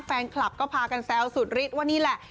แฟนคลับก็พากันแซวสุดฤทธิว่านี่แหละ